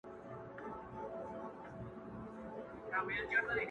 خوني خنجر نه دى چي څوك يې پـټ كــړي.